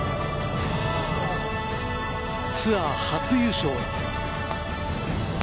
ツアー初優勝。